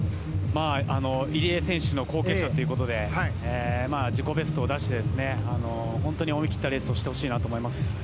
入江選手の後継者ということで自己ベストを出して本当に思い切ったレースをしてもらいたいと思います。